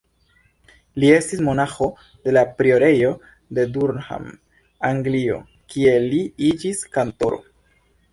Li estis monaĥo de la priorejo de Durham, Anglio, kie li iĝis kantoro.